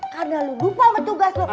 karena lu lupa sama tugas lu